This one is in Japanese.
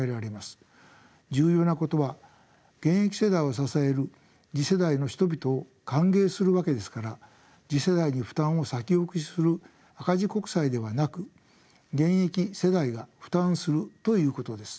重要なことは現役世代を支える次世代の人々を歓迎するわけですから次世代に負担を先送りする赤字国債ではなく現役世代が負担するということです。